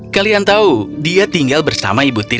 kalian tahu dia tinggal bersama ibu tiri